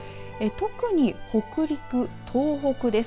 特に、北陸、東北です。